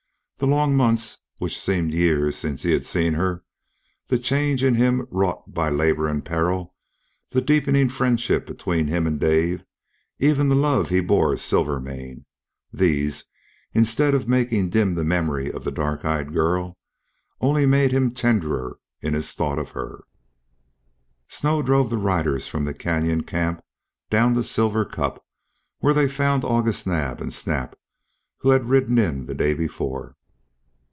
The long months which seemed years since he had seen her, the change in him wrought by labor and peril, the deepening friendship between him and Dave, even the love he bore Silvermane these, instead of making dim the memory of the dark eyed girl, only made him tenderer in his thought of her. Snow drove the riders from the canyon camp down to Silver Cup, where they found August Naab and Snap, who had ridden in the day before.